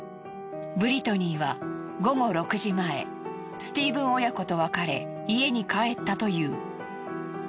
ブリトニーは午後６時前スティーブン親子と別れ家に帰ったという。